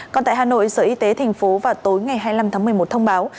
còn tại hà nội sở y tế thành phố vào tối ngày hai mươi năm tháng một mươi một thông báo